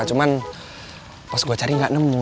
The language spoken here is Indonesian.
cuman pas gue cari nggak nemu